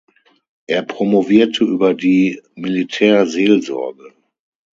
Er promovierte über die Militärseelsorge.